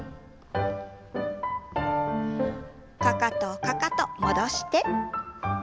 かかとかかと戻して。